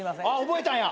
覚えたんや。